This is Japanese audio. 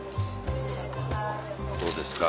どうですか？